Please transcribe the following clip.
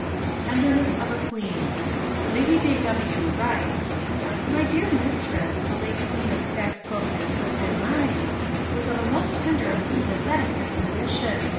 TENDERNESS OF A QUEEN Lady de W. writes: "My dear mistress, the late Queen of Saxe Covia Slitz in Mein, was of a most tender and sympathetic disposition.